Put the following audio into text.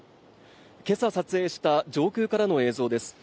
今朝撮影した上空からの映像です